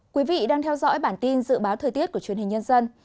quý vị đang theo dõi bản tin dự báo thời tiết của truyền hình nhân dân